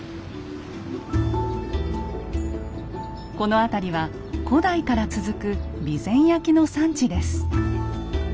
この辺りは古代から続く備前焼の産地です。